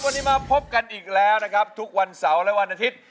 วันนี้มาพบกันอีกแล้วนะครับทุกวันเสาร์และวันอาทิตย์